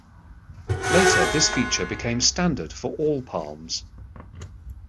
Later this feature became standard for all Palms.